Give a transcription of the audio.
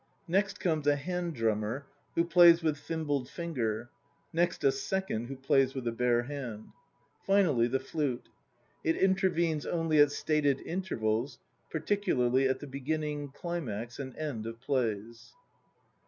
Next comes a hand drummer who plays with thimbled finger; next a second who plays with the bare hand. Finally, the flute. It intervenes only at stated intervals, particularly at the beginning, climax and end of plays.